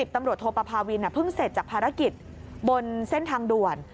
ตำรวจโทปภาวินเพิ่งเสร็จจากภารกิจบนเส้นทางด่วน